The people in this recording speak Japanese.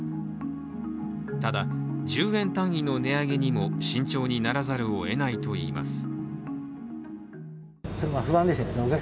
ただ、１０円単位の値上げにも慎重にならざるをえないといいます。